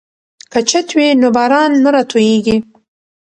که چت وي نو باران نه راتوییږي.